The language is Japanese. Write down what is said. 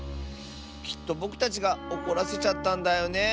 きっとぼくたちがおこらせちゃったんだよね。